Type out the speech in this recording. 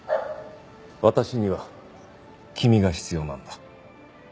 私には君が必要なんだ。